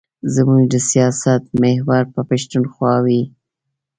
زموږ د سیاست محور به پښتونخوا وي.